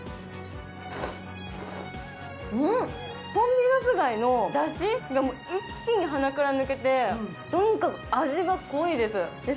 ホンビノス貝のだしが一気に鼻から抜けてとにかく味が濃いです。